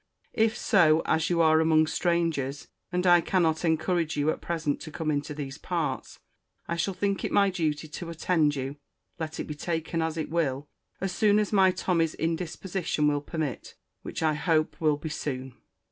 If so, as you are among strangers, and I cannot encourage you at present to come into these parts, I shall think it my duty to attend you (let it be taken as it will) as soon as my Tommy's indisposition will permit; which I hope will be soon.